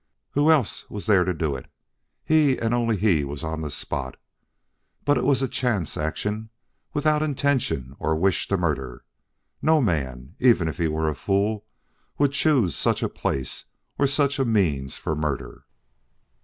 Who else was there to do it? He and he only was on the spot. But it was a chance action, without intention or wish to murder. No man, even if he were a fool, would choose such a place or such a means for murder."